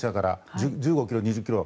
１５ｋｍから２０ｋｍ。